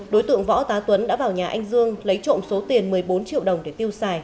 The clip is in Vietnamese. đối tượng võ tá tuấn đã vào nhà anh dương lấy trộm số tiền một mươi bốn triệu đồng để tiêu xài